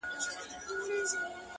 • د ميني درد.